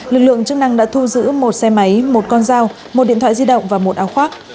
lực lượng chức năng đã thu giữ một xe máy một con dao một điện thoại di động và một áo khoác